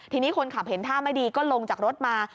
ทีนี้คนขับเห็นท่าไม่ดีก็ลงจากรถมา